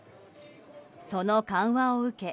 その緩和を受け